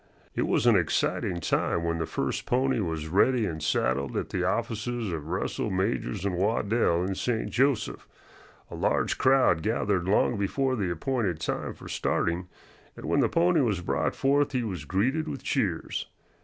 It was an exciting time when the first pony was ready and saddled at the offices of Russell, Majors & Waddell, in St. Joseph. A large crowd gathered long before the appointed time for starting, and when the pony was brought forth he was greeted with cheers.